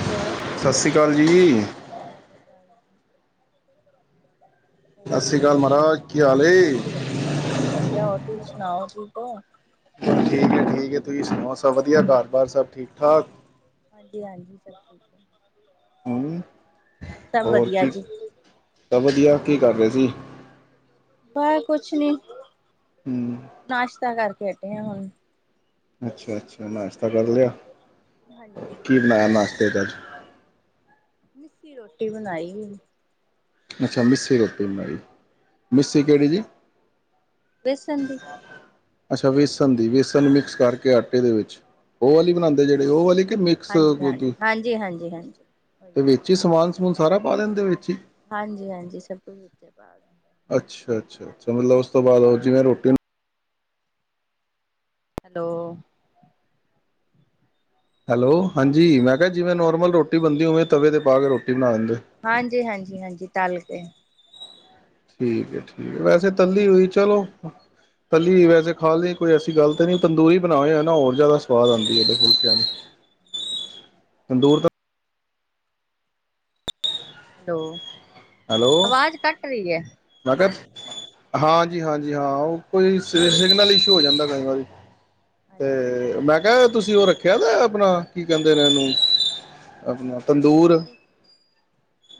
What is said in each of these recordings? Hello. ਸਤਿ ਸ਼੍ਰੀ ਅਕਾਲ ਜੀ। ਸਤਿ ਸ਼੍ਰੀ ਅਕਾਲ ਜੀ, ਸਤਿ ਸ਼੍ਰੀ ਅਕਾਲ ਮਹਾਰਾਜ ਕੀ ਹਾਲ ਏ ਸ੍ਰੀ ਅਕਾਲ। ਵਧੀਆ ਵਧੀਆ, ਹੋਰ ਤੁਸੀਂ ਸੁਣਾਓ। [unintelligible] ਠੀਕ ਐ, ਠੀਕ ਐ, ਤੁਸੀਂ ਸੁਣਾਓ, ਸਭ ਵਧੀਆ? ਘਰ-ਬਾਰ ਸਭ ਠੀਕ ਠਾਕ? ਹਾਂਜੀ ਹਾਂਜੀ, ਸਭ ਠੀਕ। ਹੂੰ, ਸਭ ਹੋਰ ਵਧੀਆ ਕੀ, ਜੀ, ਸਭ ਵਧੀਆ? ਕੀ ਕਰ ਰਹੇ ਸੀ? ਬ ਕੁਛ ਨੀ। ਹੂੰ ਨਾਸ਼ਤਾ ਕਰਕੇ ਹਟੇ ਆ ਹੁਣ। ਅੱਛਾ ਅੱਛਾ, ਨਾਸ਼ ਤਾ ਕਰ ਲਿਆ? ਹਾਂਜੀ। ਤੇ ਚ ਅੱਜ? ਮਿੱਸੀ ਰੋਟੀ ਬਣਾਈ ਹੀ। ਅੱਛਾ, ਮਿੱਸੀ ਰੋਟੀ ਬਣਾਈ। ਮਿੱਸੀ ਹਾਂਜੀ। ਕਿਹੜੀ ਜੀ? ਬੇਸਨ ਦੀ। ਅੱਛਾ, ਵੇਸਣ ਦੀ। ਬੇਸਣ ਨੂੰ ਮਿਕਸ ਕਰਕੇ ਆਟੇ ਦੇ ਵਿੱਚ। ਉਹ ਵਾਲੀ ਬਣਾਉਂਦੇ ਜਿਹੜੇ, ਹਾਂਜੀ-ਹਾਂਜੀ। ਉਹ ਵਾਲੀ ਕਿ ਮਿਕਸ ਦੁ ਹਾਂਜੀ-ਹਾਂਜੀ, ਦੁ ਹਾਂਜੀ-ਹਾਂਜੀ-ਹਾਂਜੀ। ਤੇ ਓਹੀਓ। ਵੇਚੀ ਸਮਾਨ ਹੋਰ ਸਾਰਾ ਪਾ ਲੈਂਦੇ ਓ ਵਿੱਚ ਈ? ਹਾਂਜੀ ਹਾਂਜੀ, ਸਭ ਕੁਛ ਵਿੱਚੇ ਪਾ ਅੱਛਾ ਅੱਛਾ ਅੱਛਾ, ਮਤਲਬ ਉਸ ਤੋਂ ਬਾਅਦ ਉਹ ਜਿਵੇਂ ਰੋਟੀ ਨੂੰ ਹੈਲੋ। ਹੈਲੋ? ਹਾਂਜੀ ਮੈਂ ਕਿਹਾ ਜਿਵੇਂ ਹਾਂਜੀ। ਨੋਰਮਲ ਰੋ ਬੰਦੀ, ਉਵੇਂ ਤਵੇ ਤੇ ਪਾ ਕੇ ਰੋਟੀ ਬਣਾ ਦਿੰਦੇ ਹਾਂਜੀ ਹਾਂਜੀ ਹਾਂਜੀ, ਤਲ ਕੇ। ਠੀਕ ਐ, ਠੀਕ ਐ। ਵੈਸੇ ਤੱਲੀ ਹੋਈ, ਚਲੋ, ਤੱਲੀ ਵੈਸੇ ਖਾ ਲਈ ਕੋਈ ਐਸੀ ਗੱਲ ਤੇ ਨੀ, ਤੰਦੂਰੀ ਬਣਾਓ ਯਾ ਨਾ ਹੋਰ ਜ਼ਿਆਦਾ ਸਵਾਦ ਆਂਦੀ ਏ ਡ ਫੁਲਕਿਆਂ। [unintelligible] ਤੰਦੂਰ ਤਾਂ ਹੈਲੋ। ਹੈਲੋ, ਆਵਾਜ਼ ਕੱਟ ਰਹੀ ਹੈ। ਮੈ ਕਿਹਾ? ਹਾਂਜੀ-ਹਾਂਜੀ, ਹਾਂ ਉਹ ਕੋਈ ਸਿਗਨਲ ਇਸ਼ੂ ਹੋ ਜਾਂਦਾ ਕਈ ਵਾਰੀ ਅੱਛਾ-ਅੱਛਾ। ਤੇ ਮੈਂ ਕਿਹਾ, ਤੁਸੀਂ ਉਹ ਰੱਖਿਆ ਤਾਂ ਆਪਣਾ ਕੀ ਕਹਿੰਦੇ ਨੇ ਇਹਨੂੰ ਆਪਣਾ ਤੰਦੂਰ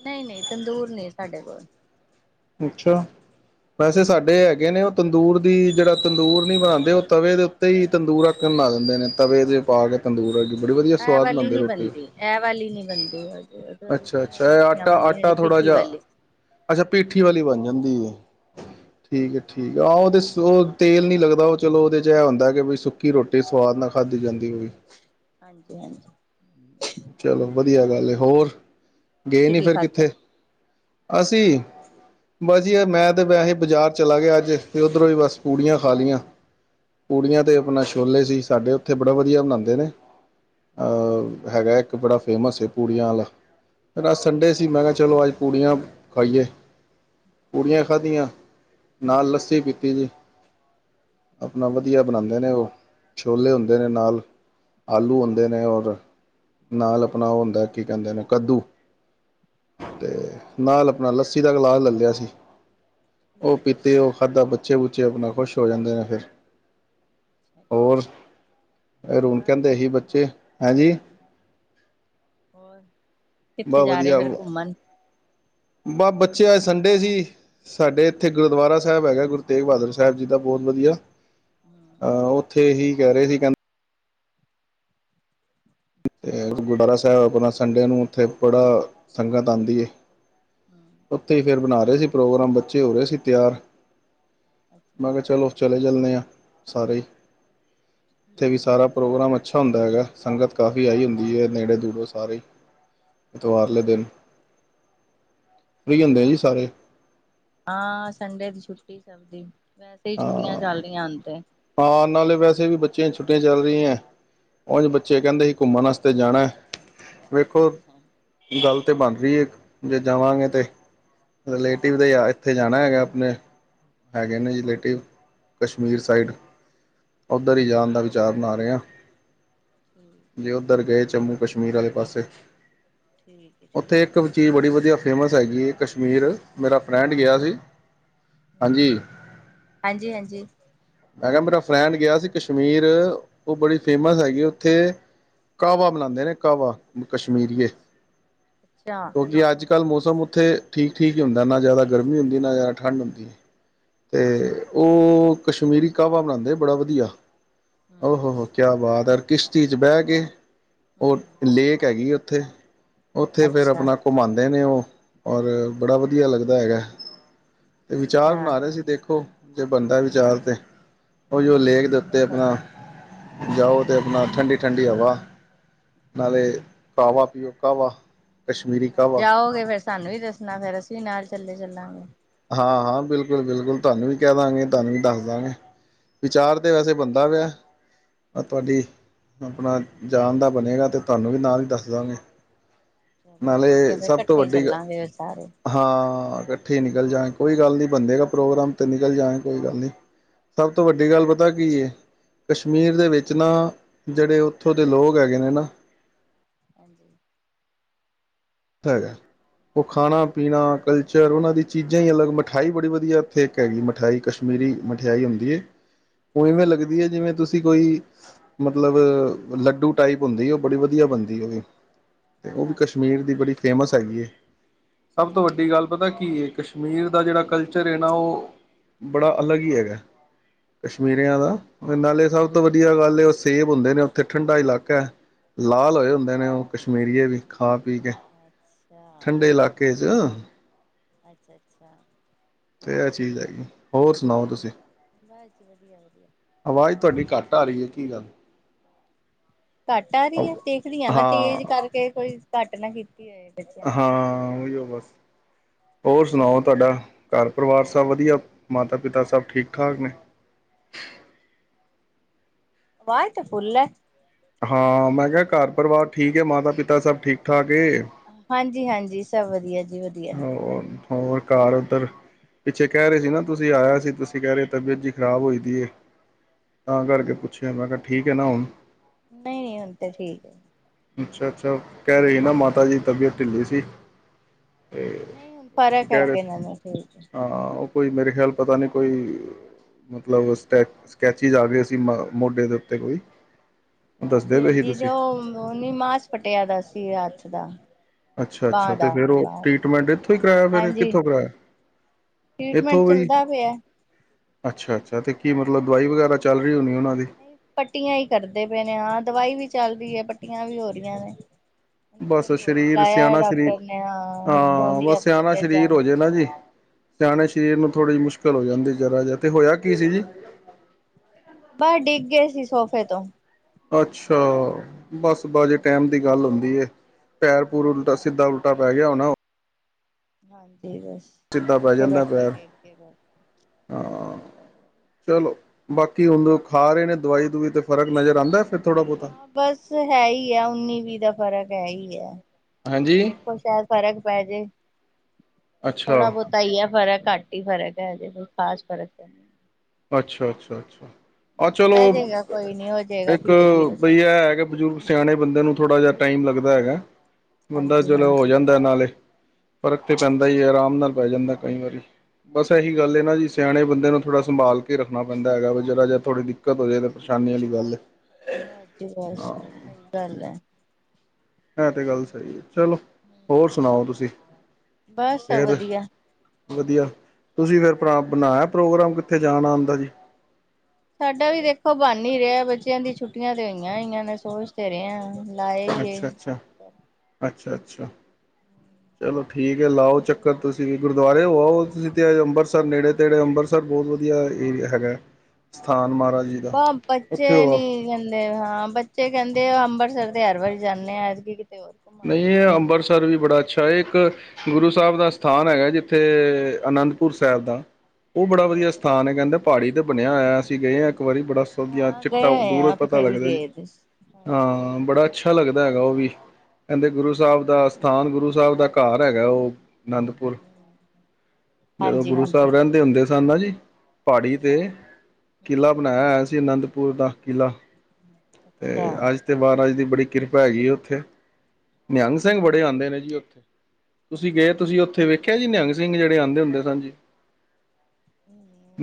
ਨਹੀਂ-ਨਹੀਂ ਤੰਦੂਰ, ਸਾਡੇ ਕੋਲ ਅੱਛਾ, ਵੈਸੇ ਸਾਡੇ ਹੈਗੇ ਨੇ, ਤੰਦੂਰ ਦੀ ਜਿਹੜਾ ਤੰਦੂਰ ਨਹੀਂ ਬਣਾਦੇ ਉਹ ਤਵੇ ਦੇ ਉੱਤੇ ਹੀ ਤੰਦੂਰ ਅੱਕਣ ਬਣਾ ਦਿੰਦੇ ਨੇ ਤਵੇ ਦੇ ਪਾ ਕੇ ਤੰਦੂਰ ਅ ਐ ਵਾਲੀ ਨੀ ਬਣਦੀ ਐ ਵਾਲੀ ਨੀ ਬਣਦੀ ਅੱਛਾ ਦੂਜੀਆਂ ਅੱਛਾ ਇਹ ਮੇਸੀਆਂ ਆਟਾ ਬਣਦੀ ਜਿੜੀ ਆਟਾ ਥੋੜ੍ਹਾ ਪਿੱਟੀ ਜਿਹਾ ਵਾਲੀ ਅੱਛਾ ਪੀਠੀ ਵਾਲੀ ਬਣ ਜਾਂਦੀ ਹੈ ਠੀਕ ਹੈ ਠੀਕ ਆਹ ਉਹਦੇ ਉਹ ਤੇਲ ਨੀ ਲੱਗਦਾ ਉਹ ਚਲੋ ਉਹਦੇ ਚ ਇਹ ਹੁੰਦਾ ਕਿ ਬ ਕਿ ਰੋਟੀ ਸਵਾਦ ਹਾਂਜੀ ਨਾਲ ਖਾਧੀ ਜਾਂਦੀ ਹੋਵੇ। ਹਾਂਜੀ ਹਾਂਜੀ ਚਲੋ ਵਧੀਆ ਗੱਲ ਹੋਰ ਗਏ ਤੁਸੀਂ ਨੀ ਕੀ ਫਿਰ ਖਾਧਾ ਕਿੱਤੇ? ਅਸੀਂ ਬਸ ਯਾਰ ਮੈਂ ਤੇ ਵੈਸੇ ਬਾਜ਼ਾਰ ਚਲਾ ਗਿਆ ਅੱਜ ਫੇਰ ਉੱਧਰੋਂ ਹੀ ਬਸ ਪੂੜੀਆਂ ਖਾ ਲਈਆਂ। ਕੁੜੀਆਂ ਤੇ ਅੱਛਾ ਆਪਣਾ ਛੋਲੇ ਸੀ ਸਾਡੇ ਇੱਥੇ ਬੜਾ ਵਧੀਆ ਮਨਾਦੇ ਨੇ, ਅੱਛਾ ਅਹ ਹੈਗਾ, ਇੱਕ ਬੜਾ ਫੇਮਸ ਹੈ ਪੂੜੀਆਂ ਵਾਲਾ ਸੰਡੇ ਠੀਕ ਸੀ ਮੈਂ ਕਿਹਾ ਚਲੋ ਅੱਜ ਪੂੜੀਆਂ ਪਾਈਏ, ਠੀਕ ਪੂੜੀਆਂ ਹੈ ਠੀਕ ਖਾਧੀਆਂ ਨਾਲ ਹਮ ਲੱਸੀ ਪੀਤੀ ਜੀ। ਆਪਣਾ ਵਧੀਆ ਬਣਾਦੇ ਨੇ ਉਹ ਛੋਲੇ ਹੁੰਦੇ ਨੇ ਨਾਲ ਆਲੂ ਹਮ ਹੁੰਦੇ ਨੇ ਔਰ, ਨਾਲ ਅਪਣਾ ਓ ਹੁੰਦਾ ਕੀ ਕਹਿੰਦੇ ਨੇ ਕੱਦੂ ਤੇ ਅੱਛਾ ਨਾਲ ਆਪਣਾ ਲ ਲੱਸੀ ਦਾ ਗਲਾਸ ਲੈ ਲਿਆ ਸੀ। ਉਹ ਠੀਕ ਪੀਤੇ ਉਹ ਖਾਧਾ ਬੱਚਾ ਬੱਚੇ ਬੁੱਚੇ ਆਪਣਾ ਖੁਸ਼ ਹੋ ਜਾਂਦੇ ਨੇ ਫਿਰ ਹੋਰ ਅੱਛਾ ਫੇਰ ਹੁਣ ਕਹਿੰਦੇ ਅੱਛਾ ਬਸ ਸੀ ਬੱਚੇ ਹੈਂ ਜੀ, ਹਮ ਹੋਰ, ਕਿੱਥੇ ਬਸ ਜਾ ਰਹੇ ਵਧੀਆ ਫਿਰ ਜੀ ਘੁੰਮਣ ਬੱਚ ਤੇ ਅੱਜ ਸੰਡੇ ਸੀ। ਸਾਡੇ ਇੱਥੇ ਹਮ ਗੁਰਦੁਆਰਾ ਸ ਸਾਹਿਬ ਹੈਗਾ ਗੁਰੂ ਤੇਗ ਬਹਾਦਰ ਸਾਹਿਬ ਜੀ ਦਾ ਬਹੁਤ ਵਧੀਆ। ਹਮ ਅਹ ਉੱਥੇ ਹੀ ਕਹਿ ਰਹੇ ਸੀ ਕਹਿੰਦੇ ਤੇ ਗੁਰਦੁਆਰਾ ਸਾਹਿਬ ਆਪਣਾ ਸੰਡੇ ਨੂੰ ਉੱਥੇ ਬੜਾ ਸੰਗਤ ਆਉਂਦੀ ਏ। ਹਮ ਉੱਥੇ ਹੀ ਫੇਰ ਬਣਾ ਹੇ ਸੀ ਪ੍ਰੋਗਰਾਮ ਬੱਚੇ ਹੋ ਰਹੇ ਸੀ ਤਿਆਰ। ਅੱਛਾ ਮੈਂ ਕਿਹਾ ਅੱਛਾ ਚਲੋ ਚਲੇ ਚਲਦੇ ਆ। ਸਾਰੇ ਇ ਇੱਥੇ ਵੀ ਠੀਕ ਸਾਰਾ ਪ੍ਰੋਗਰਾਮ ਅੱਛਾ ਹੁੰਦਾ ਹੈਗਾ ਸੰਗਤ ਕਾਫੀ ਆਈ ਹੁੰਦੀ ਹੈ, ਨੇੜੇ ਦੂੜੇ ਸਾਰੇ। ਐਤਵਾਰ ਅੱਛਾ ਲੇ ਦਿਨ ਅੱਛਾ ਫ੍ਰੀ ਹੁੰਦੇ ਆ ਜੀ ਸਾਰੇ ਹਾਂ ਸੰਡੇ ਦੀ ਛੁੱਟੀ ਸਭ ਦੀ ਵੈਸੇ ਹੀ ਹਾਂ ਛੁੱਟੀਆਂ ਚੱਲ ਰਹੀਆਂ ਹੁਣ ਤੇ ਹਾਂ ਨਾਲੇ ਵੈਸੇ ਵੀ ਬੱਚਿਆਂ ਦੀ ਛੁੱਟੀਆਂ ਚੱਲ ਰਹੀ ਹੈ ਉਝ ਬੱਚੇ ਕਹਿੰਦੇ ਸੀ, ਘੁੰਮਣ ਵਾਸਤੇ ਜਾਣਾ ਹੈ। ਵੇਖੋ ਗੱਲ ਤੇ ਬਣ ਰਹੀ ਹੈ ਜੇ ਜਾਵਾਂਗੇ ਤਾਂ ਰਿਲੇਟਿਵ ਦੇ ਇੱਥੇ ਜਾਣਾ ਹੈਗਾ ਆਪਣੇ ਹੈਗੇ ਨੇ ਰਿਲੇਟਿਵ ਕਸ਼ਮੀਰ ਅੱਛਾ ਸਾਈਡ ਉੱਧਰ ਹੀ ਜਾਣ ਦਾ ਅੱਛਾ ਵਿਚਾਰ ਬਣਾ ਰਹੇ ਆ ਠੀਕ ਹੈ। ਜੇ ਉੱਧਰ ਗਏ ਜੰਮੂ ਕਸ਼ਮੀਰ ਆਲੇ ਪਾਸੇ ਠੀਕ ਹੈ ਉੱਥੇ ਠੀਕ ਹੈ ਇੱਕ ਚੀਜ਼ ਬੜੀ ਵਧੀਆ ਫੇਮਸ ਹੈਗੀ ਏ ਕਸ਼ਮੀਰ ਮੇਰਾ ਫਰੈਂਡ ਗਿਆ ਹਾਂਜੀ ਸੀ ਹੂੰ, ਹਾਂਜੀ। ਹਾਂਜੀ ਹਾਂਜੀ। ਮੈਂ ਕਿਹਾ ਮੇਰਾ ਫਰੈਂਡ ਗਿਆ ਸੀ ਕਸ਼ਮੀਰ, ਉਹ ਬੜੀ ਫੇਮਸ ਹੈਗੀ, ਉੱਥੇ ਕਾਹਵਾ ਬਣਾਦੇ ਨੇ ਕਾਹਵਾ ਕਸ਼ਮੀਰੀਏ ਅੱਛਾ ਕਿਉਂਕਿ ਅੱਜ ਜ ਕੱਲ੍ਹ ਮੌਸਮ ਉੱਥੇ ਠੀਕ ਠੀਕ ਹੀ ਹੁੰਦਾ ਏਨਾ ਜ਼ਿਆਦਾ ਗਰਮੀ ਹੁੰਦੀ, ਨਾ ਜ਼ਿਆਦਾ ਠੰਢ ਹੁੰਦੀ ਏ। ਅੱਛਾ ਤੇ ਉਹ ਕਸ਼ਮੀਰੀ ਕਾਹਵਾ ਬਣਾਦੇ ਬੜਾ ਵਧਿਆ। ਹਮ ਓਹ-ਓਹ ਕਿਆ ਬਾਤ- ਕਿਸ਼ਤੀ 'ਚ ਬਹਿ ਕੇ ਉਹ ਹਮ ਲੇਕ ਹੈਗੀ ਆ ਉੱਥੇ ਉੱਥੇ ਫੇਰ ਅੱਛਾ ਆਪਣਾ ਘੁਮਾਉਂਦੇ ਨੇ ਉਹ ਔਰ ਬੜਾ ਵਧੀਆ ਲੱਗਦਾ ਹੈਗਾ ਤੇ ਵਿਚਾਰ ਅੱਛਾ ਬਣਾ ਰਹੇ ਸੀ ਦੇਖੋ ਜੇ ਬੰਦਾ ਵਿਚਾਰ ਤੇ ਉਹ ਜੋ ਲੇਕ ਦੇ ਉੱਤੇ ਵਧੀਆ ਫਿਰ ਆਪਣਾ ਤੇ ਜਾਓ ਤੇ ਆਪਣਾ ਠੰਡੀ ਠੰਡੀ ਹਵਾ ਅੱਛਾ ਨਾਲੇ ਕਾਹਵਾ ਪੀਓ ਕਾਹਵਾ ਕਸ਼ਮੀਰੀ ਕਾਹਵਾ ਜਾਓਗੇ ਫੇਰ ਸਾਨੂੰ ਵੀ ਦੱਸਣਾ ਫੇਰ ਅਸੀਂ ਨਾਲ ਚੱਲੇ ਚੱਲਾਂਗੇ ਹਾਂ ਹਾਂ ਬਿਲਕੁਲ ਬਿਲਕੁਲ ਤੁਹਾਨੂੰ ਵੀ ਕਹਿ ਦਾਂਗੇ ਤੁਹਾਨੂੰ ਵੀ ਦੱਸ ਦਾਂਗੇ ਵਿਚਾਰ ਤੇ ਵੈਸੇ ਬੰਦਾ ਵੀ ਹੈ ਅੱਛਾ ਤੁਹਾਡੀ ਆਪਣਾ ਜਾਣ ਦਾ ਬਣੇਗਾ ਤੇ ਤੁਹਾਨੂੰ ਵੀ ਨਾਲ ਹੀ ਦੱਸ ਦਾਂਗੇ ਚਲੋ ਠੀਕ ਹੈ ਨਾਲੇ ਫਿਰ ਸਭ ਤੋਂ ਇਕੱਠੇ ਹੀ ਵੱਡੀ ਗ ਚੱਲਾਂਗੇ ਫਿਰ ਸਾਰੇ ਹਾਂ ਇਕੱਠੀ ਨੀ ਜਾ ਕੋਈ ਗੱਲ ਨੀ ਬੰਦੇ ਪ੍ਰੋਗਰਾਮ ਤੇ ਨਿਕਲ ਜਾਏ ਕੋਈ ਗੱਲ ਨੀ ਸਭ ਤੋਂ ਵੱਡੀ ਗੱਲ ਪਤਾ ਕੀ ਐ ਕਸ਼ਮੀਰ ਹਾਂਜੀ ਦੇ ਵਿੱਚ ਨਾ ਜਿਹੜੇ ਉੱਥੋਂ ਦੇ ਲੋਕ ਹੈਗੇ ਨੇ ਨਾ ਹਾਂਜੀ ਹੈਗਾ ਉਹ ਖਾਣਾ ਪੀਣਾ ਕਲਚਰ ਉਹਨਾਂ ਦੀ ਚੀਜ਼ਾਂ ਹੀ ਅਲੱਗ ਮਠਿਆਈ ਬੜੀ ਵਧੀਆ ਇੱਥੇ ਇੱਕ ਹੈਗੀ ਮਿਠਿਆਾਈ ਕਸ਼ਮੀਰੀ ਮਠਿਆਈ ਹੁੰਦੀ ਐ ਉ ਇਵੇਂ ਹਮ ਲੱਗਦੀ ਹੈ ਜਿਵੇਂ ਤੁਸੀਂ ਕੋਈ ਮਤਲਬ ਲੱਡੂ ਟਾਈਪ ਹੁੰਦੀ ਉਹ ਬੜੀ ਵਧੀਆ ਬਣਦੀ ਉਹ ਵੀ ਤੇ ਉਹ ਵੀ ਅੱਛਾ ਕਸ਼ਮੀਰ ਦੀ ਫੇਮਸ ਹੈਗੀ ਹੈ ਸਭ ਤੋਂ ਅੱਛਾ ਵੱਡੀ ਅੱਛਾ ਗੱਲ ਪਤਾ ਕੀ ਐ ਕਸ਼ਮੀਰ ਦਾ ਜਿਹੜਾ ਕਲਚਰ ਹੈ ਨਾ ਉਹ ਬੜਾ ਹਮ ਅਲੱਗ ਹੀ ਹੈਗਾ ਕਸ਼ਮੀਰਿਆਂ ਅੱਛਾ ਦਾ ਨਾਲੇ ਸਭ ਹਮ ਤੋਂ ਵਧੀਆ ਗੱਲ ਸੇਬ ਹੁੰਦੇ ਨੇ ਉੱਥੇ ਠੰਡਾ ਇਲਾਕਾ ਲਾਲ ਹੋਏ ਹੁੰਦੇ ਨੇ ਉਹ ਕਸ਼ਮੀਰੀਏ ਵੀ ਖਾ ਪੀ ਅੱਛਾ, ਠੰਡੇ ਇਲਾਕੇ ਚ ਅੱਛਾ ਅੱਛਾ ਤੇ ਆ ਚੀਜ਼ ਹੈਗੀ ਹੋਰ ਸੁਣਾਓ ਤੁਸੀਂ ਆਵਾਜ਼ [inaudible] [unintelligible] ਘੱਟ ਆ ਰਹੀ ਹੈ ਦੇਖਦੀ ਆਂ ਮੈਂ ਹਾਂ ਤੇਜ਼ ਕਰਕੇ ਕੋਈ ਘੱਟ ਨਾ [unintelligible] [unintelligible] ਬੱਚਿਆਂ ਨੇ। ਹੋਰ ਸੁਣਾਓ ਤੁਹਾਡਾ ਘਰ ਪਰਿਵਾਰ ਸਭ ਵਧੀਆ ਮਾਤਾ ਪਿਤਾ ਸਭ ਠੀਕ ਠਾਕ ਨੇ ਆਵਾਜ਼ ਤਾਂ ਫੁਲ ਹੈ ਹਾਂ ਮੈਂ ਕਿਹਾ ਘਰ ਪਰਿਵਾਰ ਠੀਕ ਹੈ ਮਾਤਾ ਪਿਤਾ ਸਭ ਠੀਕ ਠਾਕ ਏ ਹਾਂਜੀ ਹਾਂਜੀ ਸਭ ਵਦੀਆ [unintelligible] ਹੋਰ ਘਰ ਉੱਧਰ ਪਿੱਛੇ ਕਹਿ ਰਹੇ ਸੀ ਨਾ ਤੁਸੀਂ ਆਇਆ ਸੀ ਤੁਸੀਂ ਕਹਿ ਰਹੇ ਤਬੀਅਤ ਜੀ ਖ਼ਰਾਬ ਹੋਈ ਦੀ ਏ ਤਾਂ ਕਰਕੇ ਪੁੱਛਿਆ ਮੈਂ ਕਿਹਾ ਠੀਕ ਹੈ ਨਾ ਹੁਣ ਨਹੀਂ ਹੁਣ ਤੇ ਠੀਕ ਅੱਛਾ ਅੱਛਾ ਕਹਿ ਰਹੇ ਸੀ ਨਾ ਮਾਤਾ ਦੀ ਤਬੀਅਤ ਢਿੱਲੀ ਸੀ ਤੇ ਨਹੀਂ ਹੁਣ ਤੁਸੀਂ ਫ਼ਰਕ ਹੈ ਕਹਿ ਰਹੇ ਅੱਗੇ ਸੀ ਨਾਲੋਂ ਠੀਕ ਹੈ। ਹਾਂ ਕੋਈ ਮੇਰੇ ਖਿਆਲ ਪਤਾ ਨਹੀਂ ਕੋਈ ਮਤਲਬ ਸਕੈ ਸਕ੍ਰਚੇਸ ਆ ਗਏ ਸੀਂ ਮੋਢੇ ਦੇ ਉੱਤੇ ਕੋਈ ਦੱਸਦੇ ਹਾਂਜੀ ਪਏ ਸੀ ਹਾਂਜੀ ਤੁਸੀਂ ਤੇ [unintelligible] ਮਾਸ ਪਟਿਆ ਦਾ ਸੀ ਹਾਥ [inaudible] ਅੱਛਾ ਅੱਛਾ ਤੇ ਫੇਰ ਉਹ ਟੀਟਮੈਂਟ ਇਥੋਂ ਹੀ ਕਰਾਇਆ ਫਿਰ ਹਾਂਜੀ ਕਿੱਥੋਂ ਕਰਾਇਆ ਇੱਥੋਂ ਟ੍ਰੀਟਮੈਂਟ ਈ ਚੱਲਦਾ ਪਿਆ। ਅੱਛਾ ਤੇ ਕੀ ਮਤਲਬ ਦਵਾਈ ਵਗੈਰਾ ਚੱਲ ਰਹੀ ਹੋਣੀ ਉਹਨਾਂ ਦੀ ਪੱਟੀਆਂ ਹੀ ਕਰਦੇ ਪਏ ਨੇ ਹਾਂ ਦਵਾਈ ਵੀ ਚੱਲ ਰਹੀ ਹੈ ਪੱਟੀਆਂ ਵੀ ਹੋ ਰਹੀਆਂ ਨੇ ਹੁਣ ਇੱਕ ਬਸ ਵਾਰੀ ਹੋਰ ਸਰੀਰ ਬੁਲਾਇਆ ਹੈ ਸਿਆਣਾ ਸਰੀਰ ਡਾਕਟਰ ਨੇ ਦੇਖੋ ਹਾਂ ਅਗਲੇ ਬਸ ਹਫ਼ਤੇ ਸਿਆਣਾ ਫਿਰ ਸਰੀਰ ਹੋ ਜਾਣਾ। ਜਾੇ ਨਾ ਜੀ ਸਿਆਣੇ ਸਰੀਰ ਨੂੰ ਥੋੜ੍ਹੀ ਜਿ [unintelligible] ਚਲੋ ਹੋ ਜਾਂਦੀ ਜਰਾ ਜਾ ਤੇ ਹੋਇਆ ਕੀ ਸੀ ਜੀ ਬਸ ਡਿੱਗ ਗਏ ਸੀ ਸੋਫੇ ਤੋਂ ਅੱਛਾ ਬਸ ਬਾਜੇ ਟਾਈਮ ਦੀ ਗੱਲ ਹੁੰਦੀ ਏ ਪੈਰ ਪੂਰ ਉਲਟਾ ਸਿੱਧਾ ਪੁੱਠਾ ਪੈ ਗਿਆ ਹੋਨਾ ਉਹ ਸਿੱਧਾ ਪੈ ਜਾਂਦਾ [inaudible] ਪੈਰ ਹਾਂ [inaudible] ਚਲੋ ਬਾਕੀ ਹੁਣ ਖਾ ਰਹੇ ਨੇ ਦਵਾਈ ਦਵਈ ਤੇ ਫ਼ਰਕ ਨਜ਼ਰ ਆਂਦਾ ਫਿਰ ਥੋੜ੍ਹਾ ਬਹੁਤਾ ਬਸ ਹੈ ਹੀ ਹੈ ਉੱਨੀ ਵੀਹ ਦਾ ਫ਼ਰਕ ਪੈ ਈ ਗਯਾ ਹਾਂਜੀ ਦੇਖੋ ਸ਼ਾਇਦ ਫ਼ਰਕ ਪੈ ਜੇ ਅੱਛਾ ਥੋੜਾ ਬਹੁਤਾ ਹੀ ਹੈ ਫਰਕ ਘੱਟ ਹੀ ਫ਼ਰਕ ਹੈ ਅਜੇ ਕੋਈ ਖਾਸ ਫਰਕ ਤਾਂ ਨਹੀਂ ਅੱਛਾ ਅੱਛਾ ਅੱਛਾ ਆਹ ਚਲੋ ਪੈ ਜਾਏਗਾ ਕੋਈ ਨੀ ਹੋ ਜਾਏਗਾ ਇੱਕ ਧੀਰੇ-ਧੀਰੇ ਬਈ ਸਭ ਏਹ ਹੈ ਹੈਗਾ ਬਜ਼ੁਰਗ ਸਿਆਣੇ ਬੰਦੇ ਨੂੰ ਥੋੜਾ ਜਿਹਾ ਟਾਈਮ ਲੱਗਦਾ ਹੈਗਾ ਬੰਦਾ ਚਲੋ ਹੋ ਹਾਂਜੀ-ਹਾਂਜੀ। ਜਾਂਦਾ ਨਾਲੇ ਫਰਕ ਤੇ ਪੈਂਦਾ ਹੀ ਹੈ ਆਰਾਮ ਨਾਲ ਪੈ ਜਾਂਦਾ ਕਈ ਵਾਰੀ ਬਸ ਇਹੀ ਗੱਲ ਹੈ ਨਾ ਜੀ ਸਿਆਣੇ ਬੰਦੇ ਨੂੰ [unintelligible] ਸੰਭਾਲ ਕੇ ਰੱਖਣਾ ਪੈਂਦਾ ਹੈਗਾ ਵੀ ਜਰਾ ਜੇ ਥੋੜ੍ਹ ਦਿੱਕਤ ਹੋ ਜਾਵੇ ਤਾਂ ਪਰੇਸ਼ਾਨੀ ਵਾਲੀ ਗੱਲ ਬਸ ਜੀ ਬਸ ਸਹੀ ਗੱਲ ਹੈ ਹੈਾਂ ਤੇ ਗੱਲ ਸਹੀ ਹੈ ਚਲੋ ਹੋਰ ਸੁਣਾਓ ਤੁਸੀਂ ਬਸ ਫਿਰ ਵਧੀਆ ਵਧੀਆ ਤੁਸੀਂ ਫਿਰ ਬਣਾਇਆ ਪ੍ਰੋਗਰਾਮ ਕਿੱਥੇ ਜਾਣਾ ਆਉਂਦਾ ਜੀ ਸਾਡਾ ਵੀ ਦੇਖੋ ਬਣ ਹੀ ਰਿਹਾ ਬੱਚਿਆਂ ਦੀ ਛੁੱਟੀਆਂ ਤੇ ਹੋਈਆਂ ਹੀ ਮੈਂ ਸੋਚ ਤੇ ਰਿਹਾ ਅੱਛਾ ਅੱਛਾ ਅੱਛਾ ਅੱਛਾ ਅੱਛਾ ਚਲੋ ਠੀਕ ਹੈ ਲਾਓ ਚੱਕਰ ਤੁਸੀਂ ਵੀ ਗੁਰਦੁਆਰੇ ਆਓ ਤੁਸੀਂ ਤੇ ਅੰਬ੍ਰਿਤਸਰ ਨੇੜੇ ਤੇੜੇ ਅੰਬ੍ਰਿਤਸਰ ਬਹੁਤ ਵਧੀਆ ਏਰੀਆ ਹੈਗਾ ਸਥਾਨ ਮਹਾਰਾਜ ਜੀ ਦਾ ਬ ਉੱਥੇ ਬੱਚੇ ਹੋ ਆਓ ਨੀ ਕਹਿੰਦੇ ਹਾਂ ਬੱਚੇ ਕਹਿੰਦੇ ਅੰਬਰਿਸਰ ਹਰ ਵਾਰੀ ਜਾਂਦੇ ਹਾਂ ਏਦਕੀ ਨਹੀਂ ਅੰਮਬਰਤਸਰ ਵੀ ਬੜਾ ਅੱਛਾ ਅੱਛਾ ਇਹ ਇੱਕ ਗੁਰੂ ਸਾਹਿਬ ਦਾ ਸਥਾਨ ਹੈਗਾ ਜਿੱਥੇ ਅਨੰਦਪੁਰ ਸਾਹਿਬ ਦਾ ਉਹ ਬੜਾ ਵਧੀਆ ਹੂੰ ਸਥਾਨ ਹੈ ਕਹਿੰਦਾ ਪਹਾੜੀ ਤੇ ਬਣਿਆ ਹੋਇਆ ਅਸੀਂ ਗਏ ਹਾਂ ਇੱਕ ਇੱਕ ਵਾਰੀ ਬੜਾ ਸੋਦੀਆ ਹਾਂ ਗਏ ਚਿੱਟਾ ਹੋਏ ਆ ਦੂਰੋਂ ਪਤਾ ਉੱਥੇ ਵੀ ਲੱਗਦਾ ਜੀ ਗਏ ਦੇ ਸੀ। ਹਾਂਜੀ ਹਾਂ ਬੜਾ ਅੱਛਾ ਲੱਗਦਾ ਹੈਗਾ ਉਹ ਵੀ ਕਹਿੰਦੇ ਗੁਰੂ ਸਾਹਿਬ ਦਾ ਅਸਥਾਨ ਗੁਰੂ ਸਾਹਿਬ ਦਾ ਘਰ ਹੈਗਾ ਉਹ ਅਨੰਦਪੁਰ ਜਦੋਂ ਹਾਂਜੀ ਗੁਰੂ ਹਾਂਜੀ ਸਾਹਿਬ ਹੂੰ ਰਹਿੰਦੇ ਹੁੰਦੇ ਧਨਾ ਜੀ ਪਹਾੜੀ ਤੇ ਹੂੰ ਕਿਲ੍ਹਾ ਬਣਾਇਆ ਹੋਇਆ ਸੀ ਅਨੰਦ ਪੂਰਾ ਕਿਲਾ ਅੱਛਾ ਤੇ ਅੱਜ ਤੇ ਵਾਰ ਅੱਜ ਦੀ ਬੜੀ ਕਿਰਪਾ ਹੈਗੀ ਆ ਉੱਥੇ ਨਿਹੰਗ ਸਿੰਘ ਅੱਛਾ ਅੱਛਾ ਬੜੇ ਆਉਂਦੇ ਨੇ ਜੀ ਉੱਥੇ ਤੁਸੀਂ ਗਏ ਅੱਛਾ ਅੱਛਾ ਤੁਸੀਂ ਉੱਥੇ ਵੇਖਿਆ ਨਿਹੰਗ ਸਿੰਘ ਜਿਹੜੇ ਆਉਂਦੇ ਹੁੰਦੇ ਸਨ ਜੀ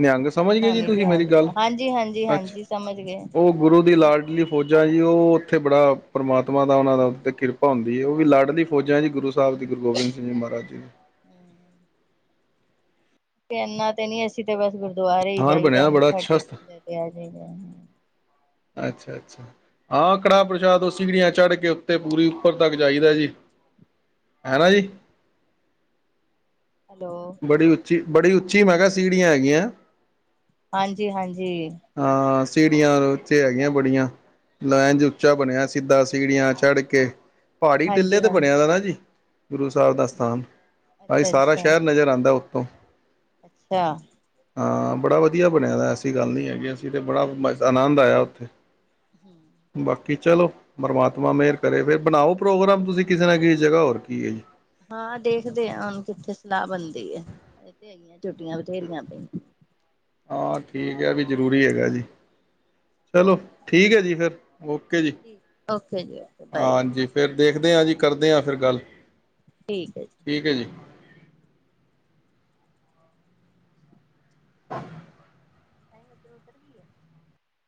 ਨਿਹੰਗ ਸਮਝ ਗਏ ਇਨਾ ਜੀ ਨੀ ਤੁਸੀਂ ਮੇਰੀ ਧਿਆਨ ਗੱਲ ਦਿੱਤਾ ਹਾਂਜੀ ਹਾਂਜੀ ਅੱਛਾ ਹਾਂਜੀ ਸਮਝ ਗਏ ਉਹ ਗੁਰੂ ਦੀ ਲਾਲ ਲੀ ਫੌਜਾਂ ਜੀ, ਉਹ ਉੱਥੇ ਬੜਾ ਪ੍ਰਮਾਤਮਾ ਦਾ ਉਹਨਾਂ ਦਾ, ਉ ਕਿਰਪਾ ਭਾਉਂਦੀ, ਉਹ ਵੀ ਲਾੜਲੀ ਫੌਜਾਂ, ਦੀ ਗੁਰੂ ਸਾਹਿਬ ਜ ਗੁਰੂ ਗੋਬਿੰਦ ਸਿੰਘ ਜੀ ਮਹਾਰਾਜ ਜੀ। ਹੂੰ ਤੇ ਇਨਾ ਤੇ ਨੀ ਅਸੀਂ ਤੇ ਬਸ ਗੁਰਦੁਆਰੇ ਈ ਸਥਾਨ ਜਾਈਦੈ, ਬਣਿਆ ਬੜਾ ਮੱਥਾ ਅੱਛਾ ਸਥਾਨ ਟੇਕੀ ਦਾ ਤੇ, ਆ ਜਾਦਾ ਅੱਛਾ, ਅੱਛਾ ਹਾਂ, ਕੜਾਹ ਪ੍ਰਸ਼ਾਦ ਓ ਸਿੜੀਆਂ ਚੜ੍ਹ ਕੇ, ਉੱਤੇ ਪੂਰੀ ਉੱਪਰ ਤੱਕ ਜਾਈਦਾ ਜੀ, ਹੈ ਨਾ ਜੀ। ਹੈਲੋ ਬੜੀ ਉੱਚੀ? ਬੜੀ ਉੱਚੀ ਮੈਂ ਕਿਹਾ, ਸੀੜੀਆਂ ਹੈਗੀਆਂ। ਹਾਂਜੀ, ਹਾਂਜੀ। ਹਾਂ ਸੀੜੀਆਂ ਉੇ ਹੈਗੀਆਂ, ਬੜੀਆਂ ਲਾਈਨਜ ਉੱਚਾ ਬਣਿਆ ਸਿੱਧਾ ਸੀੜੀਆਂ ਚੜ ਕੇ। ਪਹਾੜੀ ਟਿੱਲੇ ਹਾਂਜੀ ਤੇ ਹਾਂਜੀ ਬਣਿਆ ਦਾ ਨਾ ਜੀ ਗੁਰੂ ਸਾਹਿਬ ਦਾ ਸਥਾਨ। ਭਾਈ ਅੱਛਾ, ਸਾਰਾ ਅੱਛਾ। ਸ਼ਹਿਰ ਨਜ਼ਰ ਆਂਦੈ ਉੱਤੋਂ। ਅੱਛਾ। ਹਾਂ ਬੜਾ ਵਧੀਆ ਬਣਿਆ, ਐਸੀ ਗੱਲ ਨਹੀਂ ਹੈਗੀ ਅਸੀਂ, ਅਤੇ ਬੜਾ ਆਨੰਦ ਆਇਆ ਉੱਥੇ। ਹਮ [inaudible] ਕਿ ਚਲੋ, ਪਰਮਾਤਮਾ ਮਿਹਰ ਕਰੇ, ਫੇਰ ਬਣਾਓ ਪ੍ਰੋਗਰਾਮ ਤੁਸੀਂ ਕਿਸੇ ਨਾਲ, ਕਿਸ ਜਗ੍ਹਾ ਹੋਰ ਕੀ ਹੈ ਜੀ। ਹਾਂ ਦੇਖਦੇ ਆਂ, ਹੁਣ ਕਿੱਥੇ ਸਲਾਹ ਬਨਦੀ ਐ, ਇਹ ਤੇ ਹੈਈ ਛੁੱਟੀਆਂ ਬਥੇਰੀਆਂ ਪਈਆਂ। ਹਾਂ ਠੀਕ ਐ, ਐ ਵੀ ਜ਼ਰੂਰੀ ਹੈਗਾ ਜੀ, ਚਲੋ ਠੀਕ ਹੈ ਜੀ ਫਰ ਓਕੇ ਜੀ, ਓਕੇ ਬਾਏ ਜੀ। ਹਾਂਜੀ ਫਿਰ ਦੇਖਦੇ ਆਂ ਜੀ, ਕਰਦੇ ਆਂ ਫਿਰ ਗੱਲ। ਠੀਕ ਹੈ ਜੀ। [unintelligible] ਤਾਂਹੀ ਉੱਧਰ ਉਧਰ ਵੀ ਹੈ [inaudible]